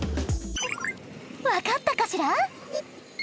分かったかしら？